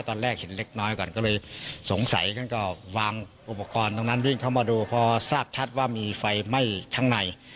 ตอนแรกเห็นเล็กน้อยก่อนก็เลยสงสัยท่านก็วางอุปกรณ์ตรงนั้นวิ่งเข้ามาดูพอทราบชัดว่ามีไฟไหม้ข้างใน